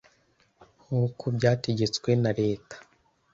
nk uko byategetswe na leta